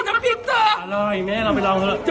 น้ำพริกเธอพิเศษซักอย่างเฮ๋